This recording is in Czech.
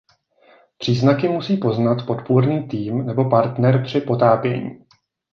Příznaky musí poznat podpůrný tým nebo partner při potápění.